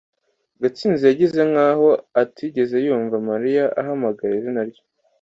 gatsinzi yigize nkaho atigeze yumva mariya ahamagara izina rye